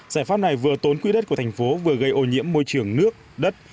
giải pháp này vừa tốn quỹ đất của thành phố vừa gây ô nhiễm môi trường nước đất